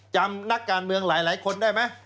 นักการเมืองหลายคนได้ไหม